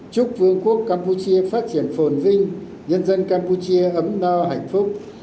chúc vương quốc campuchia phát triển phồn vinh nhân dân campuchia ấm no hạnh phúc